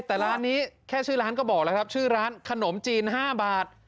แต่ร้านนี้แค่ชื่อร้านก็บอกแล้วครับชื่อร้านขนมจีน๕บาท